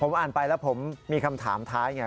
อ่านไปแล้วผมมีคำถามท้ายไง